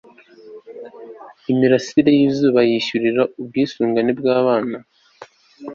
imirasire y izuba yishyurira ubwisungane abana